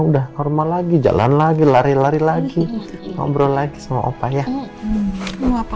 udah normal lagi jalan lagi lari lari lagi ngobrol lagi sama opa ya mau apa